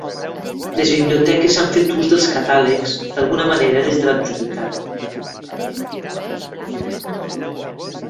Les biblioteques han fet ús dels catàlegs, d'alguna manera, des de l'antiguitat.